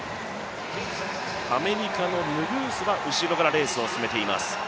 アメリカのヌグースは後ろからレースを進めています。